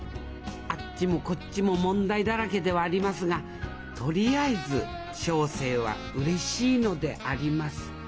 あっちもこっちも問題だらけではありますがとりあえず小生はうれしいのであります。